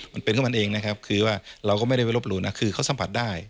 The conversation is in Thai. มันเป็นของมันเองนะครับคือว่าเราก็ไม่ได้ไปรบหลู่นะคือเขาสัมผัสได้